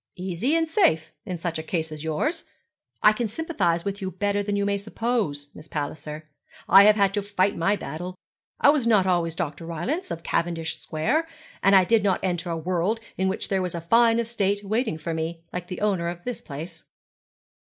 'Easy, and safe, in such a case as yours. I can sympathize with you better than you may suppose, Miss Palliser. I have had to fight my battle. I was not always Dr. Rylance, of Cavendish Square; and I did not enter a world in which there was a fine estate waiting for me, like the owner of this place.'